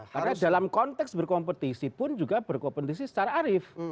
karena dalam konteks berkompetisi pun juga berkompetisi secara arif